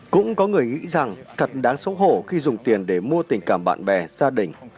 cũng có người nghĩ rằng thật đáng xấu hổ khi dùng tiền để mua tình cảm bạn bè gia đình